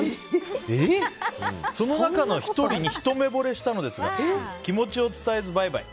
その中の１人にひと目ぼれしたのですが気持ちを伝えずバイバイ。